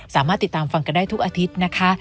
สามารถติดตามฟังกันได้ทุกอาทิตย์นะคะ